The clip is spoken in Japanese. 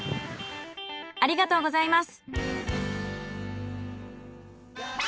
ありがとうございます！